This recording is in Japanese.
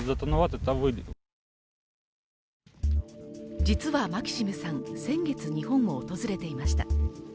実はマキシムさん、先月日本を訪れていました。